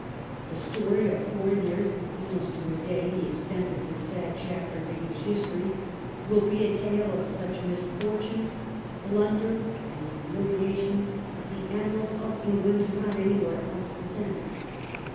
The story of four years — almost to a day the extent of this sad chapter of English history — will be a tale of such misfortune, blunder and humiliation as the annals of England do not anywhere else present.